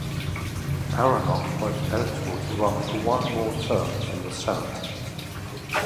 Aronoff was eligible to run for one more term in the Senate.